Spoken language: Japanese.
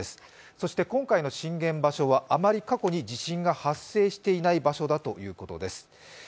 そして今回の震源場所はあまり過去に地震が発生していないところということです。